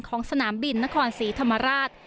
สนามบินนครศรีธรรมราช